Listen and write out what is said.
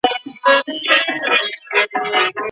ظاهر پر روان اغیز کوي.